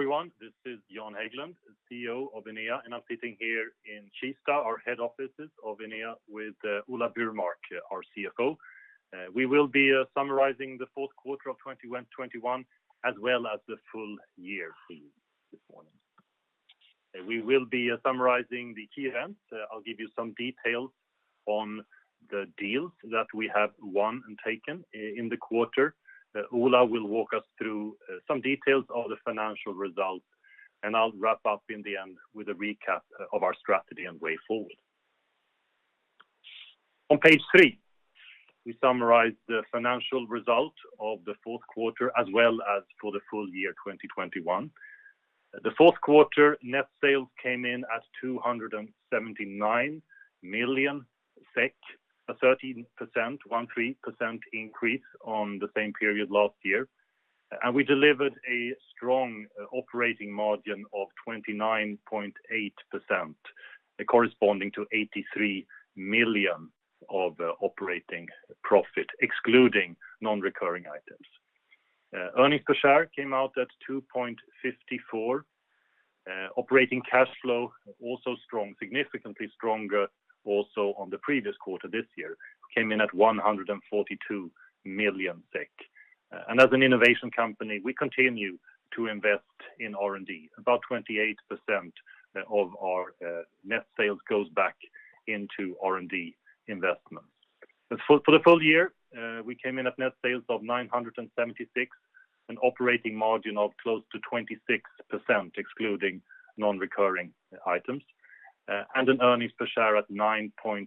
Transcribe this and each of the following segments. Hi, everyone. This is Jan Häglund, CEO of Enea, and I'm sitting here in Kista, our head offices of Enea with Ola Burmark, our CFO. We will be summarizing the Q4 2021 as well as the full-year for you this morning. We will be summarizing the key events. I'll give you some details on the deals that we have won and taken in the quarter. Ola will walk us through some details of the financial results, and I'll wrap up in the end with a recap of our strategy and way forward. On page three, we summarize the financial result of the Q4 as well as for the full year 2021. The Q4 net sales came in at 279 million SEK, a 13% increase on the same period last year. We delivered a strong operating margin of 29.8% corresponding to 83 million of operating profit, excluding non-recurring items. Earnings per share came out at 2.54. Operating cash flow also strong, significantly stronger than in the previous quarter this year, came in at 142 million. As an innovation company, we continue to invest in R&D. About 28% of our net sales goes back into R&D investments. For the full-year, we came in at net sales of 976 million, an operating margin of close to 26%, excluding non-recurring items, and an earnings per share at 9.3,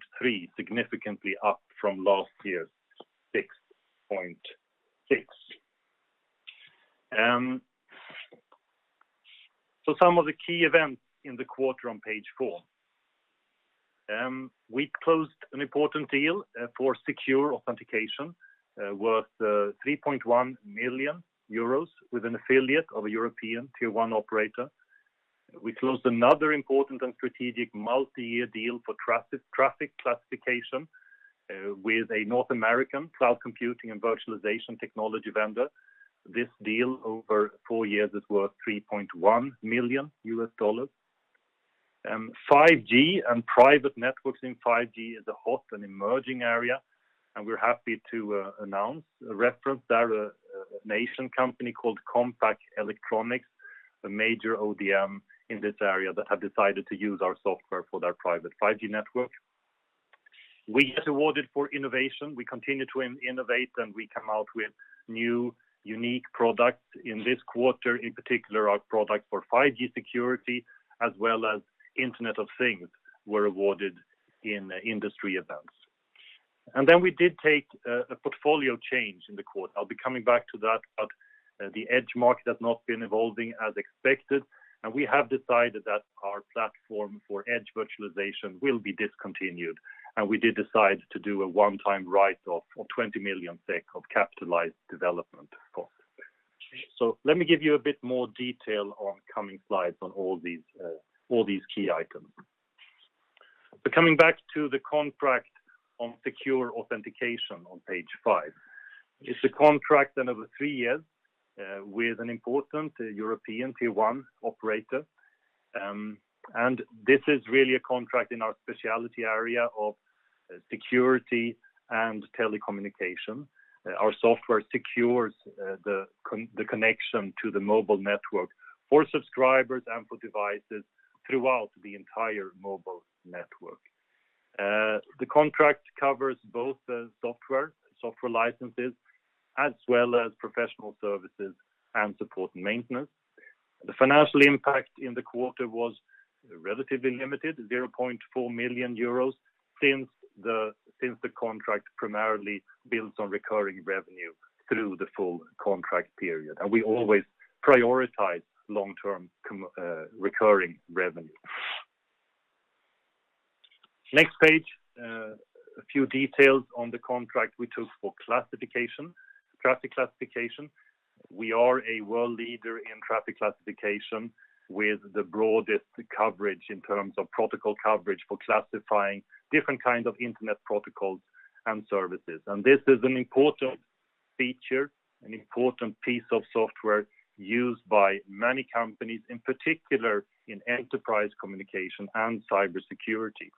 significantly up from last year's 6.6. Some of the key events in the quarter on page four. We closed an important deal for secure authentication worth 3.1 million euros with an affiliate of a European tier-one operator. We closed another important and strategic multi-year deal for traffic classification with a North American cloud computing and virtualization technology vendor. This deal over four years is worth $3.1 million. 5G and private networks in 5G is a hot and emerging area, and we're happy to announce a reference that a Taiwanese company called Compal Electronics, a major ODM in this area that have decided to use our software for their private 5G network. We get awarded for innovation. We continue to innovate, and we come out with new unique products. In this quarter, in particular, our product for 5G security as well as Internet of Things were awarded in industry events. We did take a portfolio change in the quarter. I'll be coming back to that, but the edge market has not been evolving as expected, and we have decided that our platform for edge virtualization will be discontinued, and we did decide to do a one-time write-off of 20 million SEK of capitalized development costs. Let me give you a bit more detail on coming slides on all these key items. Coming back to the contract on secure authentication on page five. It's a contract of three years with an important European tier-one operator. This is really a contract in our specialty area of security and telecommunication. Our software secures the connection to the mobile network for subscribers and for devices throughout the entire mobile network. The contract covers both, software licenses, as well as professional services and support maintenance. The financial impact in the quarter was relatively limited, 0.4 million euros, since the contract primarily builds on recurring revenue through the full contract period. We always prioritize long-term recurring revenue. Next page, a few details on the contract we took for classification, traffic classification. We are a world leader in traffic classification with the broadest coverage in terms of protocol coverage for classifying different kind of internet protocols and services. This is an important feature, an important piece of software used by many companies, in particular in enterprise communication and cybersecurity.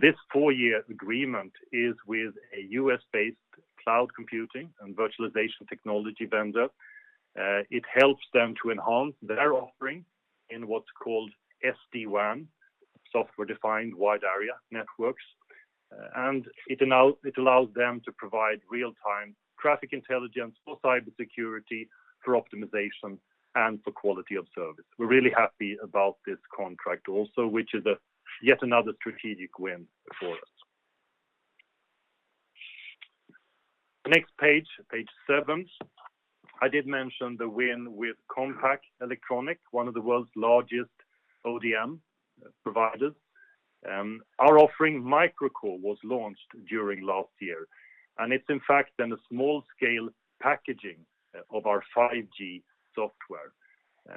This four-year agreement is with a U.S.-based cloud computing and virtualization technology vendor. It helps them to enhance their offering in what's called SD-WAN, software-defined wide area networks, and it allows them to provide real-time traffic intelligence for cybersecurity, for optimization, and for quality of service. We're really happy about this contract also, which is yet another strategic win for us. The next Page 7. I did mention the win with Compal Electronics, one of the world's largest ODM providers. Our offering, MicroCore, was launched during last year, and it's in fact then a small scale packaging of our 5G software.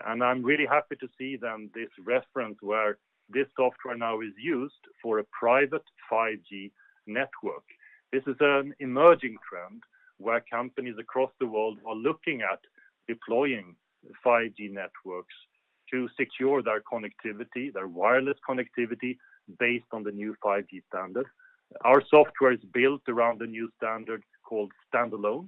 I'm really happy to see then this reference where this software now is used for a private 5G network. This is an emerging trend where companies across the world are looking at deploying 5G networks to secure their connectivity, their wireless connectivity based on the new 5G standard. Our software is built around the new standard called standalone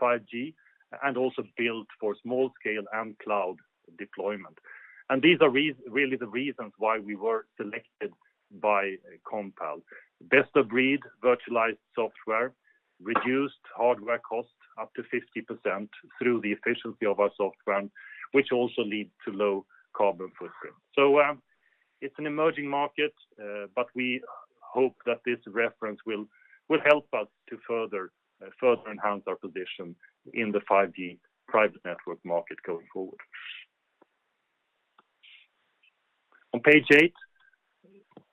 5G, and also built for small scale and cloud deployment. These are really the reasons why we were selected by Compal. Best of breed virtualized software reduced hardware cost up to 50% through the efficiency of our software, which also lead to low carbon footprint. It's an emerging market, but we hope that this reference will help us to further enhance our position in the 5G private network market going forward. On Page 8,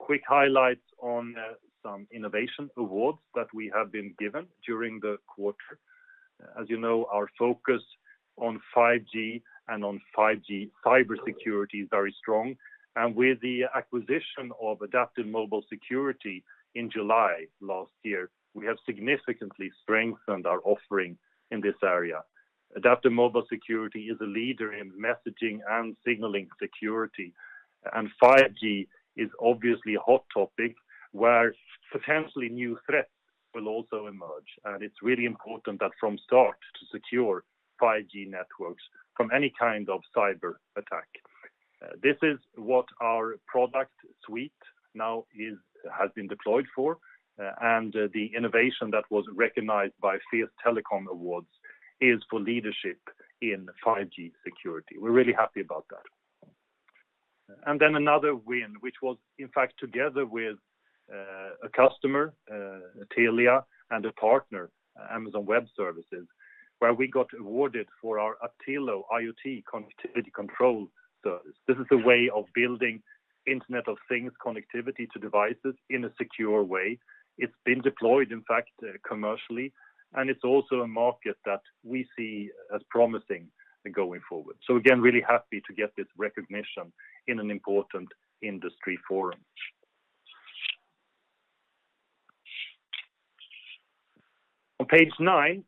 quick highlights on some innovation awards that we have been given during the quarter. As you know, our focus on 5G and on 5G cybersecurity is very strong. With the acquisition of AdaptiveMobile Security in July last year, we have significantly strengthened our offering in this area. AdaptiveMobile Security is a leader in messaging and signaling security, and 5G is obviously a hot topic where potentially new threats will also emerge. It's really important that from the start to secure 5G networks from any kind of cyberattack. This is what our product suite now has been deployed for. The innovation that was recognized by Fierce Telecom Awards is for leadership in 5G security. We're really happy about that. Then another win, which was in fact together with a customer, Telia and a partner, Amazon Web Services, where we got awarded for our Aptilo IoT Connectivity Control Service. This is a way of building Internet of Things connectivity to devices in a secure way. It's been deployed, in fact, commercially, and it's also a market that we see as promising going forward. Again, really happy to get this recognition in an important industry forum. On page nine,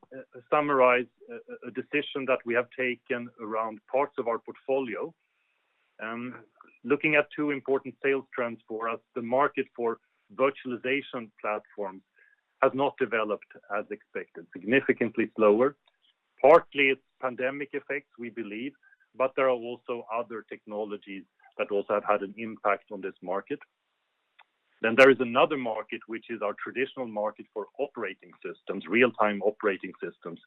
summarize a decision that we have taken around parts of our portfolio. Looking at two important sales trends for us. The market for virtualization platforms has not developed as expected, significantly slower. Partly it's pandemic effects, we believe, but there are also other technologies that also have had an impact on this market. There is another market, which is our traditional market for operating systems, real-time operating systems.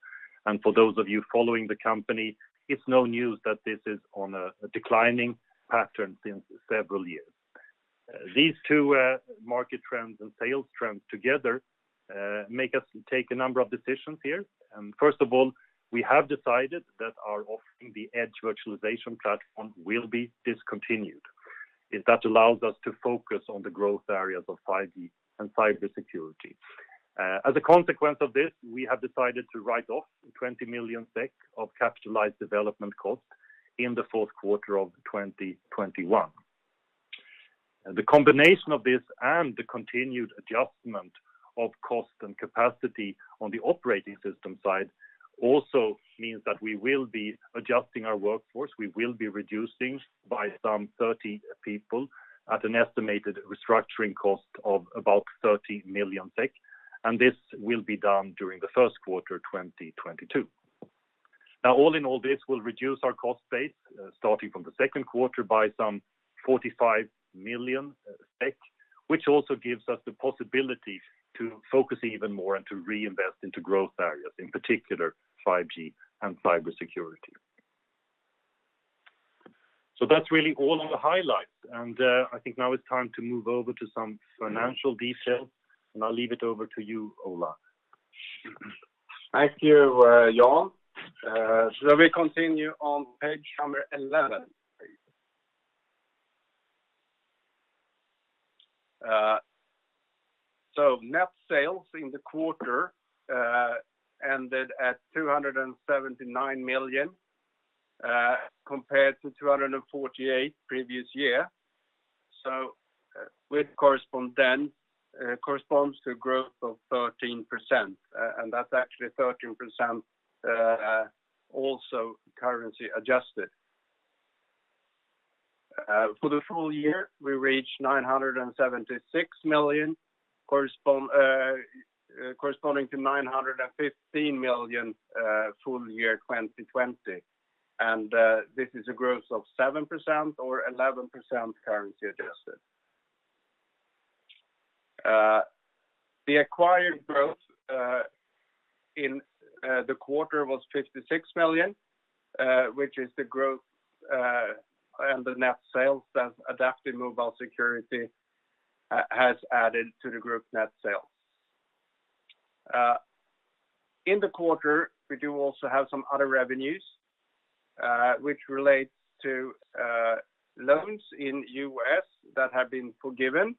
For those of you following the company, it's no news that this is on a declining pattern since several years. These two market trends and sales trends together make us take a number of decisions here. First of all, we have decided that our offering, the Edge Virtualization Platform, will be discontinued, and that allows us to focus on the growth areas of 5G and cybersecurity. As a consequence of this, we have decided to write off 20 million SEK of capitalized development costs in the fourth quarter of 2021. The combination of this and the continued adjustment of cost and capacity on the operating system side also means that we will be adjusting our workforce. We will be reducing by some 30 people at an estimated restructuring cost of about 30 million SEK, and this will be done during the first quarter 2022. Now all in all, this will reduce our cost base, starting from the second quarter by some 45 million, which also gives us the possibility to focus even more and to reinvest into growth areas, in particular 5G and cybersecurity. That's really all the highlights, and I think now it's time to move over to some financial details, and I'll leave it over to you, Ola. Thank you, Jan. We continue on Page 11 please. Net sales in the quarter ended at 279 million, compared to 248 million previous year. Corresponds to growth of 13%, and that's actually 13% also currency adjusted. For the full year, we reached 976 million corresponding to 915 million full-year 2020. This is a growth of 7% or 11% currency adjusted. The acquired growth in the quarter was 56 million, which is the growth and the net sales that AdaptiveMobile Security has added to the group net sales. In the quarter, we do also have some other revenues, which relate to loans in the U.S. that have been forgiven,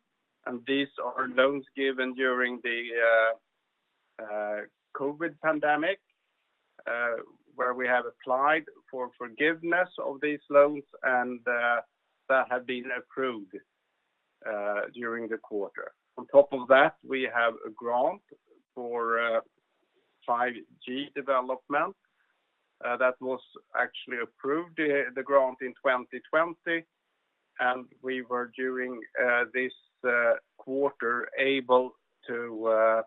and these are loans given during the COVID-19 pandemic, where we have applied for forgiveness of these loans and that have been approved during the quarter. On top of that, we have a grant for 5G development that was actually approved, the grant in 2020, and we were during this quarter able to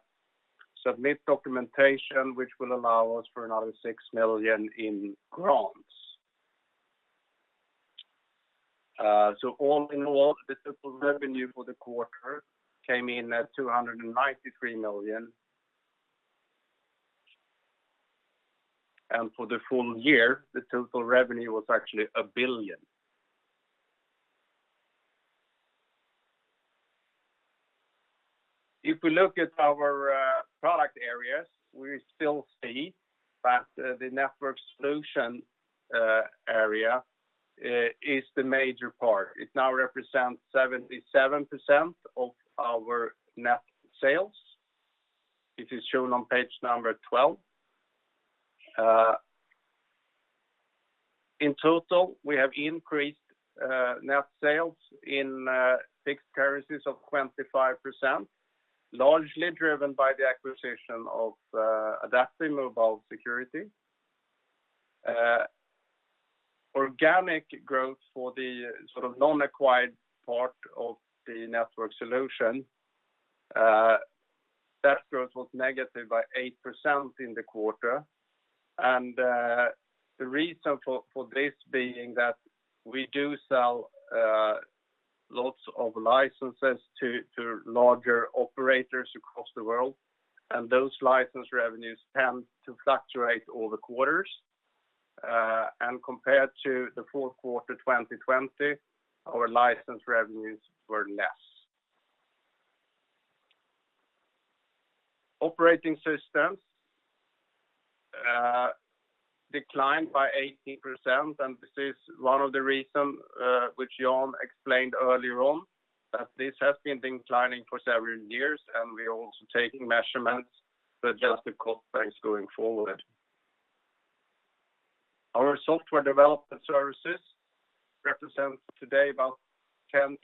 submit documentation which will allow us for another 6 million in grants. So all in all, the total revenue for the quarter came in at 293 million. For the full year, the total revenue was actually 1 billion. If we look at our product areas, we still see that the network solution area is the major part. It now represents 77% of our net sales, which is shown on Page 12. In total, we have increased net sales in fixed currencies of 25%, largely driven by the acquisition of AdaptiveMobile Security. Organic growth for the sort of non-acquired part of the network solution, that growth was negative by 8% in the quarter. The reason for this being that we do sell lots of licenses to larger operators across the world, and those license revenues tend to fluctuate all the quarters. Compared to the Q4 2020, our license revenues were less. Operating systems declined by 18%, and this is one of the reasons which Jan explained earlier on, that this has been declining for several years, and we're also taking measures to adjust the cost base going forward. Our software development services represent today about 10%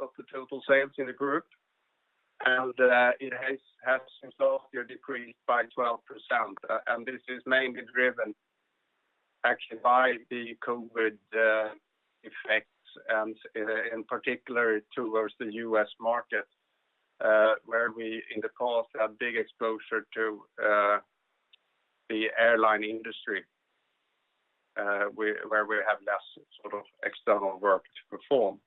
of the total sales in the group, and it has since last year decreased by 12%. This is mainly driven actually by the COVID-19 effects and in particular towards the U.S. market, where we in the past had big exposure to the airline industry, where we have less sort of external work to perform.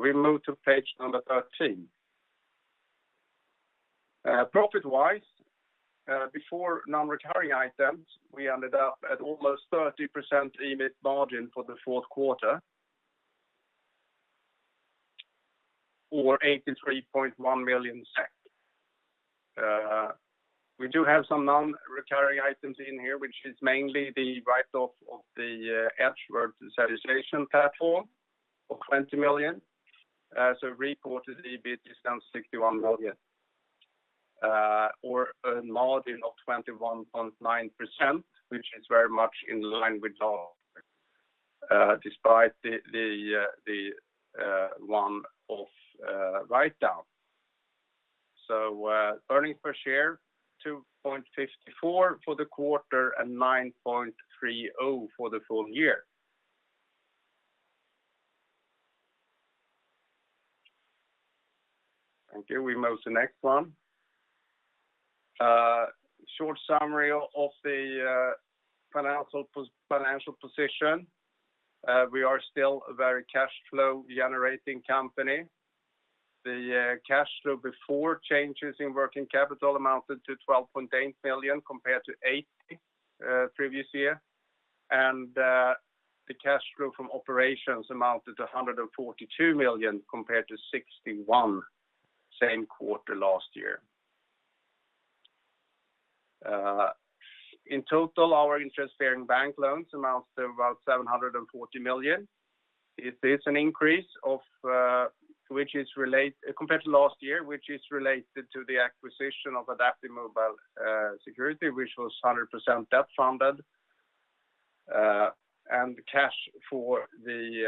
We move to Page 13. Profit-wise, before non-recurring items, we ended up at almost 30% EBIT margin for the Q4 or 83.1 million SEK. We do have some non-recurring items in here, which is mainly the write-off of the Edge Virtualization Platform of 20 million. Reported EBIT is now 61 million, or a margin of 21.9%, which is very much in line with our guidance, despite the one-off write-down. Earnings per share, 2.54 for the quarter and 9.30 for the full-year. Thank you. We move to the next one. Short summary of the financial position. We are still a very cash flow generating company. Cash flow before changes in working capital amounted to 12.8 million compared to eight previous year. Cash flow from operations amounted to 142 million compared to 61 same quarter last year. In total, our interest-bearing bank loans amount to about 740 million. It is an increase compared to last year, which is related to the acquisition of AdaptiveMobile Security, which was 100% debt-funded. Cash for the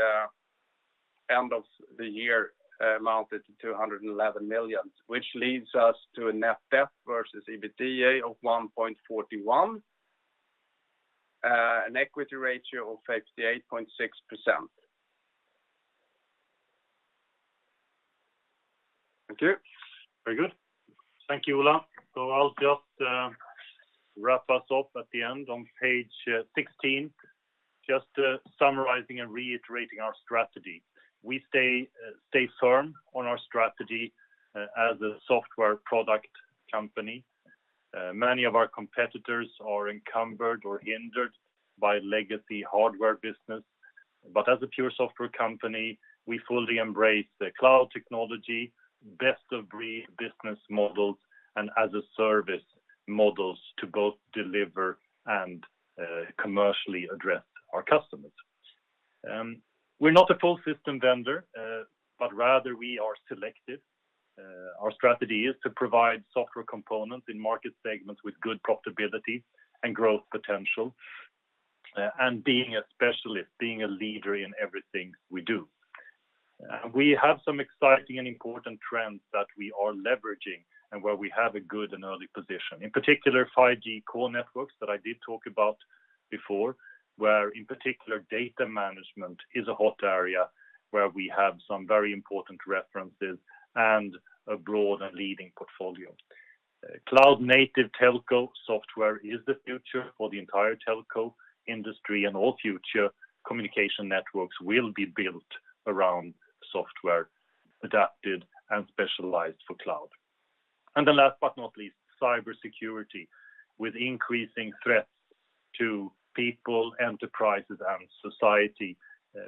end of the year amounted to 211 million, which leads us to a net debt versus EBITDA of 1.41. An equity ratio of 58.6%. Thank you. Very good. Thank you, Ola. I'll just wrap us up at the end on Page 16, just summarizing and reiterating our strategy. We stay firm on our strategy as a software product company. Many of our competitors are encumbered or hindered by legacy hardware business. As a pure software company, we fully embrace the cloud technology, best-of-breed business models, and as-a-service models to both deliver and commercially address our customers. We're not a full system vendor, but rather we are selective. Our strategy is to provide software components in market segments with good profitability and growth potential, and being a specialist, being a leader in everything we do. We have some exciting and important trends that we are leveraging and where we have a good and early position. In particular, 5G core networks that I did talk about before, where in particular data management is a hot area where we have some very important references and a broad and leading portfolio. Cloud native telco software is the future for the entire telco industry, and all future communication networks will be built around software adapted and specialized for cloud. The last but not least, cybersecurity. With increasing threats to people, enterprises, and society,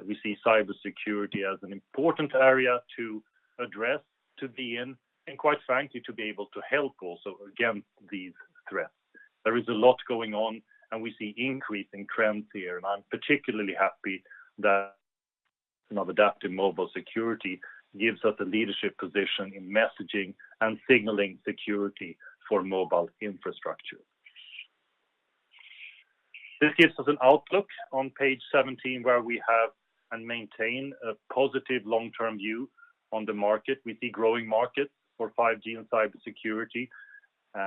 we see cybersecurity as an important area to address, to be in, and quite frankly, to be able to help also against these threats. There is a lot going on and we see increasing trends here, and I'm particularly happy that AdaptiveMobile Security gives us a leadership position in messaging and signaling security for mobile infrastructure. This gives us an outlook on Page 17 where we have and maintain a positive long-term view on the market. We see growing markets for 5G and cybersecurity.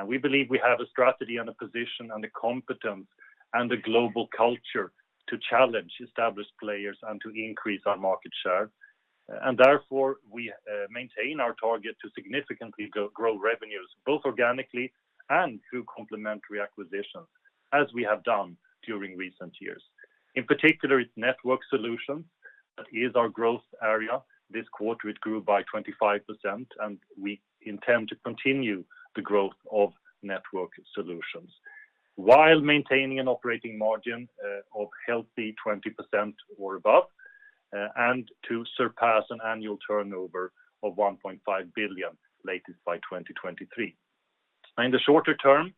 We believe we have a strategy and a position and the competence and the global culture to challenge established players and to increase our market share. Therefore, we maintain our target to significantly grow revenues, both organically and through complementary acquisitions, as we have done during recent years. In particular, it's network solutions that is our growth area. This quarter, it grew by 25%, and we intend to continue the growth of network solutions while maintaining an operating margin of healthy 20% or above, and to surpass an annual turnover of 1.5 billion latest by 2023. In the shorter term,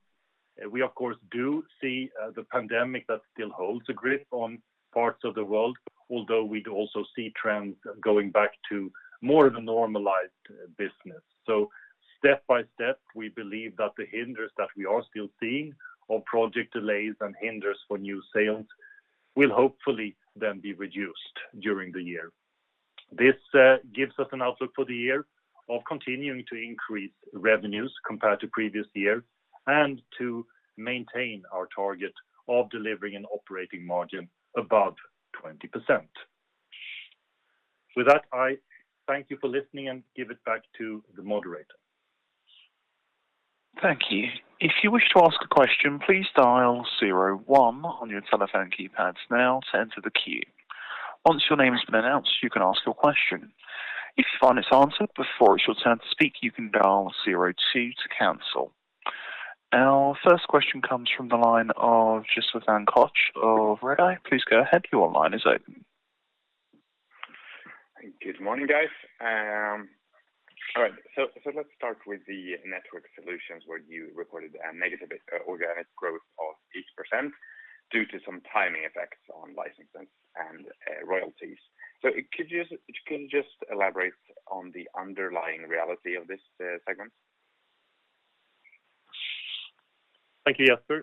we of course do see the pandemic that still holds a grip on parts of the world, although we do also see trends going back to more of a normalized business. Step by step, we believe that the hindrances that we are still seeing or project delays and hindrances for new sales will hopefully then be reduced during the year. This gives us an outlook for the year of continuing to increase revenues compared to previous year and to maintain our target of delivering an operating margin above 20%. With that, I thank you for listening and give it back to the moderator. Thank you. If you wish to ask a question, please dial one on your telephone keypads now to enter the queue. Once your name has been announced, you can ask your question. If you find it's answered before it's your turn to speak, you can dial two to cancel. Our first question comes from the line of Jesper von Koch of Redeye. Please go ahead. Your line is open. Good morning, guys. All right. Let's start with the network solutions where you recorded a negative organic growth of 8% due to some timing effects on licensing and royalties. Can you just elaborate on the underlying reality of this segment? Thank you, Jesper.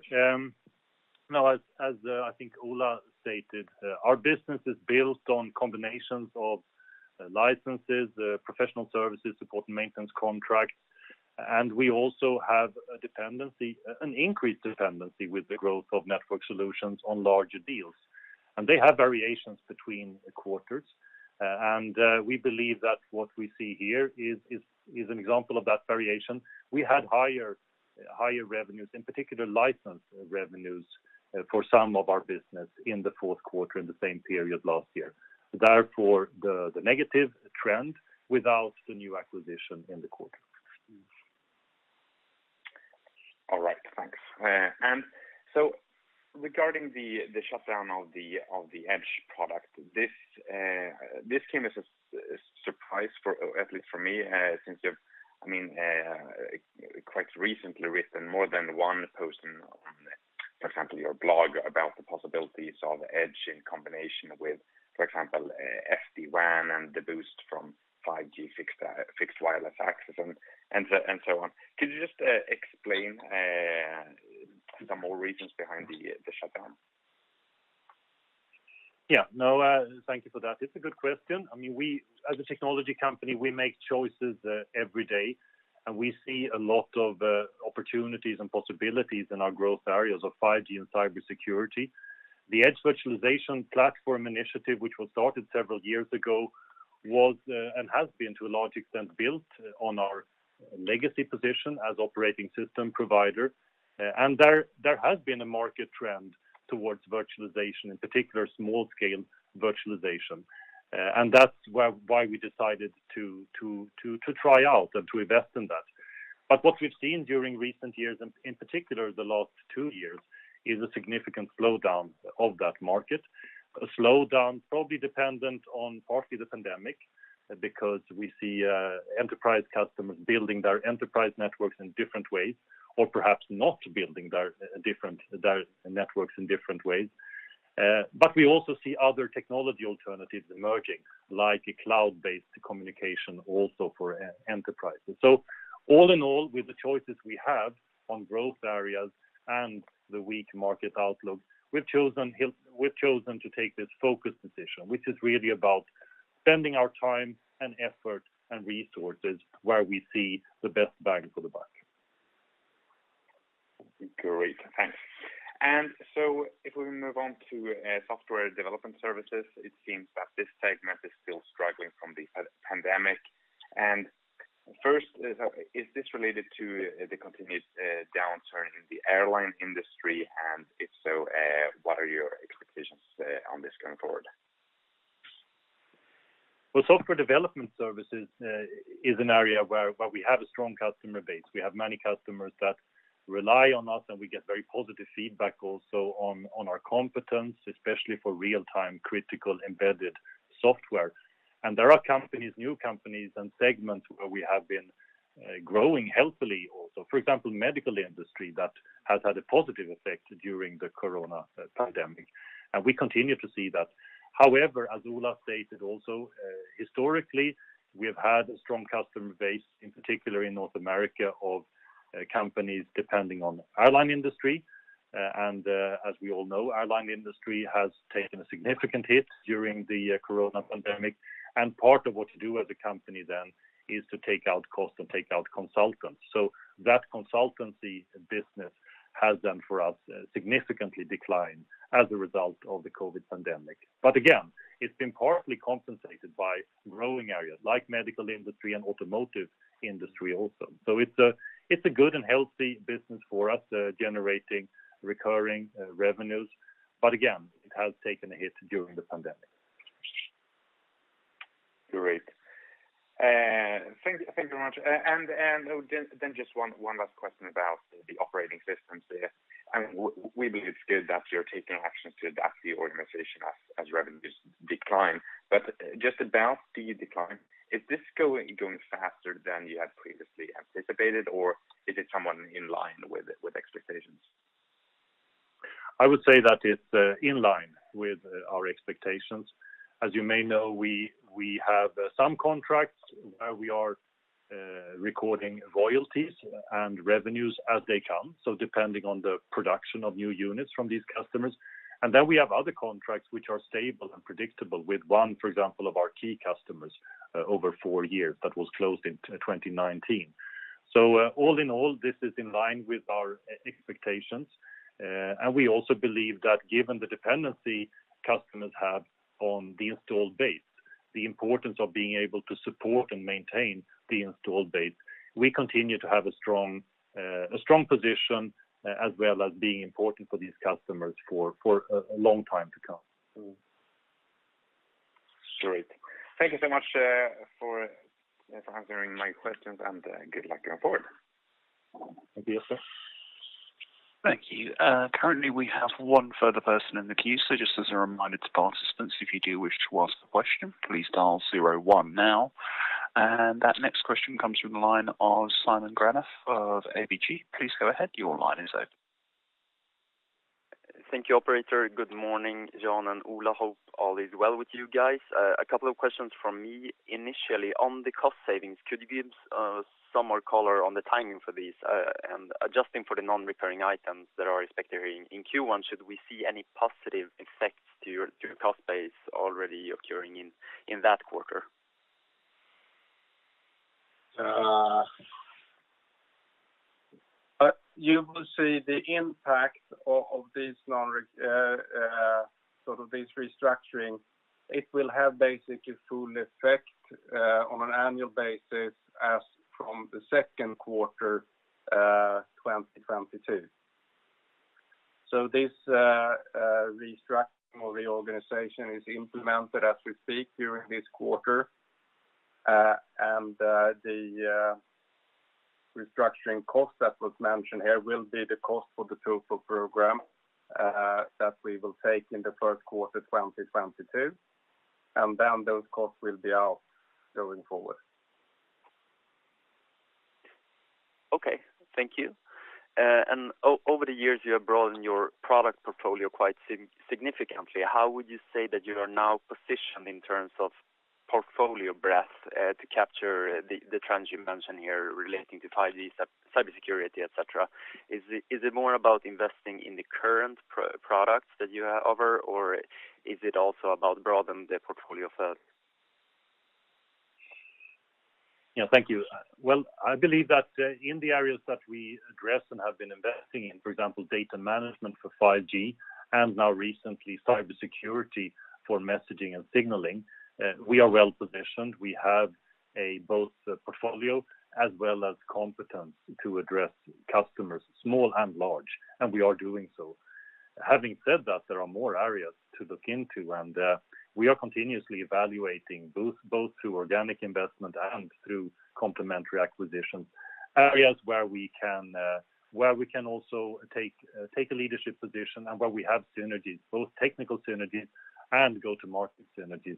No, as I think Ola stated, our business is built on combinations of licenses, professional services, support and maintenance contracts, and we also have a dependency, an increased dependency with the growth of network solutions on larger deals. They have variations between quarters, and we believe that what we see here is an example of that variation. We had higher revenues, in particular license revenues, for some of our business in the Q4 in the same period last year. Therefore, the negative trend without the new acquisition in the quarter. All right. Thanks. Regarding the shutdown of the Edge product, this came as a surprise, at least for me, since you've, I mean, quite recently written more than one post on, for example, your blog about the possibilities of Edge in combination with, for example, SD-WAN and the boost from 5G fixed wireless access and so on. Could you just explain some more reasons behind the shutdown? Yeah. No, thank you for that. It's a good question. I mean, we as a technology company, we make choices every day, and we see a lot of opportunities and possibilities in our growth areas of 5G and cybersecurity. The Edge Virtualization Platform initiative, which was started several years ago, was and has been to a large extent built on our legacy position as operating system provider. And there has been a market trend towards virtualization, in particular small scale virtualization. And that's why we decided to try out and to invest in that. But what we've seen during recent years, and in particular the last two years, is a significant slowdown of that market. A slowdown probably dependent on partly the pandemic, because we see enterprise customers building their enterprise networks in different ways or perhaps not building their networks in different ways. But we also see other technology alternatives emerging, like cloud-based communication also for enterprise. All in all, with the choices we have on growth areas and the weak market outlook, we've chosen to take this focused position, which is really about spending our time and effort and resources where we see the best bang for the buck. Great. Thanks. If we move on to software development services, it seems that this segment is still struggling from the pandemic. First, is this related to the continued downturn in the airline industry? If so, what are your expectations on this going forward? Well, software development services is an area where we have a strong customer base. We have many customers that rely on us, and we get very positive feedback also on our competence, especially for real-time critical embedded software. There are companies, new companies and segments where we have been growing healthily also. For example, medical industry that has had a positive effect during the corona pandemic. We continue to see that. However, as Ola stated also, historically, we have had a strong customer base, in particular in North America, of companies depending on airline industry. As we all know, airline industry has taken a significant hit during the corona pandemic. Part of what to do as a company then is to take out costs and take out consultants. That consultancy business has then for us significantly declined as a result of the COVID-19 pandemic. Again, it's been partly compensated by growing areas like medical industry and automotive industry also. It's a good and healthy business for us, generating recurring revenues. Again, it has taken a hit during the pandemic. Great. Thank you very much. Just one last question about the operating systems there. We believe it's good that you're taking action to adapt the organization as revenues decline. Just about the decline, is this going faster than you had previously anticipated, or is it somewhat in line with expectations? I would say that it's in line with our expectations. As you may know, we have some contracts where we are recording royalties and revenues as they come, so depending on the production of new units from these customers. Then we have other contracts which are stable and predictable with one, for example, of our key customers, over four years that was closed in 2019. All in all, this is in line with our expectations. We also believe that given the dependency customers have on the installed base, the importance of being able to support and maintain the installed base, we continue to have a strong position as well as being important for these customers for a long time to come. Mm-hmm. Great. Thank you so much for answering my questions and good luck going forward. Thank you. Thank you. Currently we have one further person in the queue. Just as a reminder to participants, if you do wish to ask a question, please dial zero one now. That next question comes from the line of Simon Granath of ABG. Please go ahead. Your line is open. Thank you, operator. Good morning, Jan and Ola. Hope all is well with you guys. A couple of questions from me. Initially on the cost savings, could you give some more color on the timing for these, and adjusting for the non-recurring items that are expected in Q1? Should we see any positive effects to your cost base already occurring in that quarter? You will see the impact of this sort of this restructuring. It will have basically full effect on an annual basis as from the Q2 2022. This restructuring or reorganization is implemented as we speak during this quarter. The restructuring cost that was mentioned here will be the cost for the total program that we will take in the Q1 2022, and then those costs will be out going forward. Okay. Thank you. Over the years, you have broadened your product portfolio quite significantly. How would you say that you are now positioned in terms of portfolio breadth to capture the trends you mentioned here relating to 5G, cybersecurity, etc.? Is it more about investing in the current products that you have, or is it also about broaden the portfolio further? Yeah, thank you. Well, I believe that, in the areas that we address and have been investing in, for example, data management for 5G and now recently cybersecurity for messaging and signaling, we are well-positioned. We have a both portfolio as well as competence to address customers, small and large, and we are doing so. Having said that, there are more areas to look into, and, we are continuously evaluating both through organic investment and through complementary acquisitions, areas where we can, where we can also take a leadership position and where we have synergies, both technical synergies and go-to-market synergies with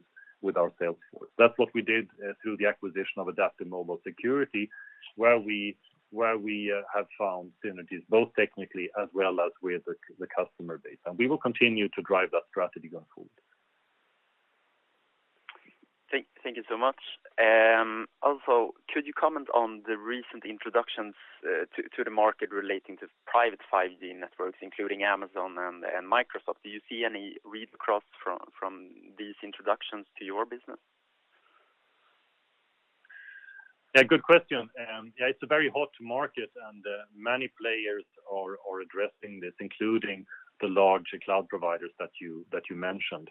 our sales force. That's what we did, through the acquisition of AdaptiveMobile Security, where we, where we, have found synergies, both technically as well as with the the customer base. We will continue to drive that strategy going forward. Thank you so much. Also could you comment on the recent introductions to the market relating to private 5G networks, including Amazon and Microsoft? Do you see any read across from these introductions to your business? Yeah, good question. Yeah, it's a very hot market, and many players are addressing this, including the larger cloud providers that you mentioned.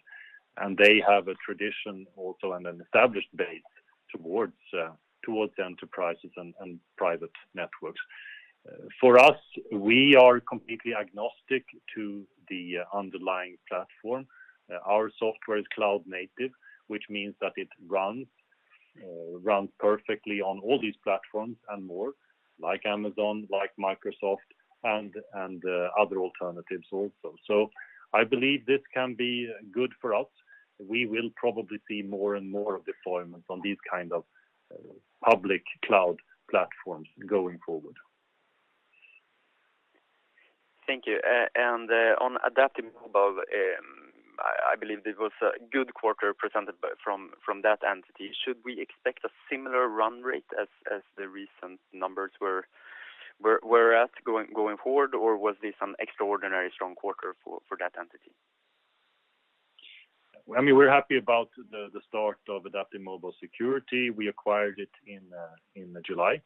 They have a tradition also and an established base towards enterprises and private networks. For us, we are completely agnostic to the underlying platform. Our software is cloud native, which means that it runs perfectly on all these platforms and more like Amazon, like Microsoft and other alternatives also. I believe this can be good for us. We will probably see more and more of deployments on these kind of public cloud platforms going forward. Thank you. On AdaptiveMobile, I believe it was a good quarter presented from that entity. Should we expect a similar run rate as the recent numbers were at going forward, or was this an extraordinary strong quarter for that entity? I mean, we're happy about the start of AdaptiveMobile Security. We acquired it in July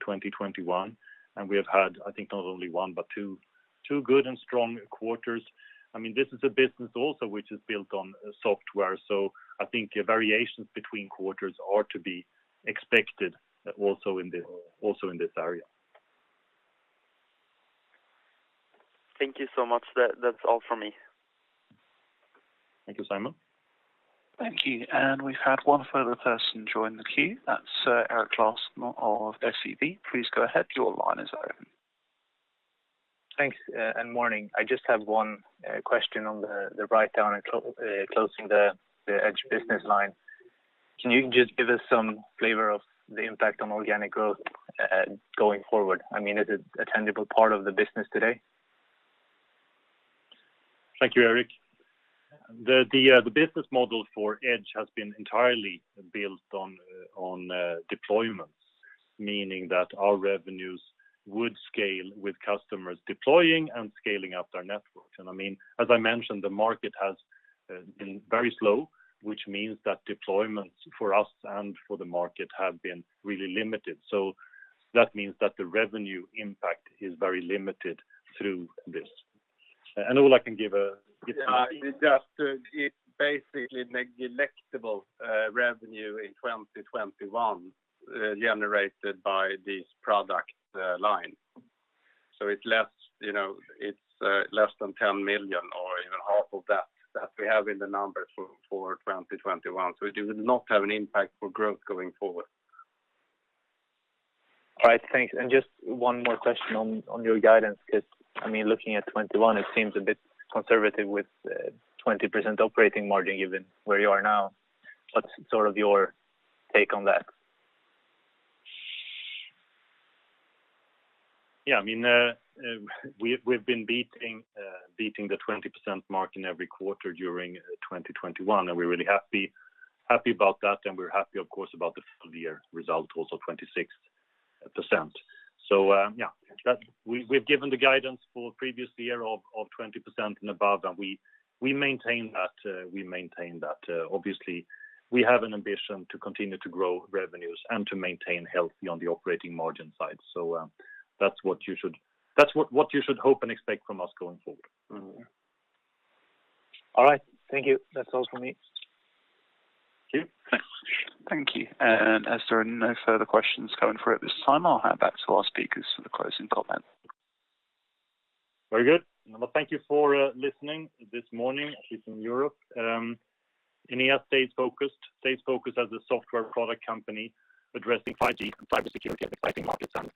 2021, and we have had, I think, not only one, but two good and strong quarters. I mean, this is a business also which is built on software. I think variations between quarters are to be expected also in this area. Thank you so much. That's all for me. Thank you, Simon. Thank you. We've had one further person join the queue. That's [unaudible] of SEB. Please go ahead. Your line is open. Thanks and morning. I just have one question on the write-down and closing the Edge business line. Can you just give us some flavor of the impact on organic growth going forward? I mean, is it a tangible part of the business today? Thank you, Erik. The business model for Edge has been entirely built on deployments, meaning that our revenues would scale with customers deploying and scaling up their networks. I mean, as I mentioned, the market has been very slow, which means that deployments for us and for the market have been really limited. That means that the revenue impact is very limited through this. Yeah. It just basically negligible revenue in 2021 generated by this product line. It's less, you know, it's less than 10 million or even half of that that we have in the numbers for 2021. It will not have an impact for growth going forward. All right. Thanks. Just one more question on your guidance, because I mean, looking at 21%, it seems a bit conservative with 20% operating margin given where you are now. What's sort of your take on that? Yeah, I mean, we've been beating the 20% mark in every quarter during 2021, and we're really happy about that, and we're happy, of course, about the full year result, also 26%. Yeah, that's. We've given the guidance for previous year of 20% and above, and we maintain that. Obviously, we have an ambition to continue to grow revenues and to maintain healthy on the operating margin side. That's what you should hope and expect from us going forward. All right. Thank you. That's all for me. Thank you. Thanks. Thank you. As there are no further questions coming through at this time, I'll hand back to our speakers for the closing comment. Very good. Well, thank you for listening this morning, at least in Europe. Enea stays focused as a software product company addressing 5G and cybersecurity as exciting markets and